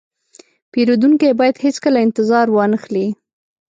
پیرودونکی باید هیڅکله انتظار وانهخلي.